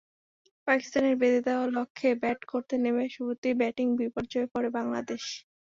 পাকিস্তানের বেঁধে দেওয়া লক্ষ্যে ব্যাট করতে নেমে শুরুতেই ব্যাটিং বিপর্যয়ে পড়ে বাংলাদেশ।